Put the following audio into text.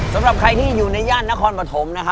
สำหรับใครที่อยู่ในย่านนครปฐมนะฮะ